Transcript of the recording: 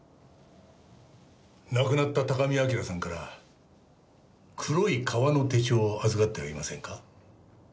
亡くなった高見明さんから黒い革の手帳を預かってはいませんか？